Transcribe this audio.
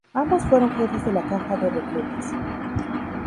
Ambos fueron Jefes de la Caja de Reclutas.